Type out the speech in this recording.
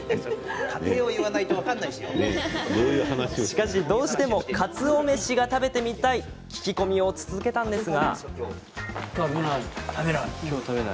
しかし、どうしてもかつお飯が食べてみたいということで聞き込みを続けたんですが。